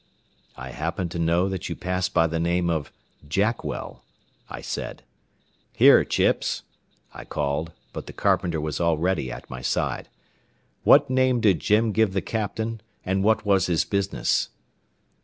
"I happen to know that you pass by the name of Jackwell," I said. "Here, Chips," I called, but the carpenter was already at my side. "What name did Jim give the captain, and what was his business?"